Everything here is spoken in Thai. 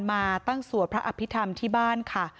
มาตั้งสวดพระอภิษฐรรมที่บ้านค่ะ